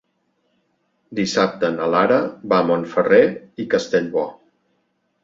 Dissabte na Lara va a Montferrer i Castellbò.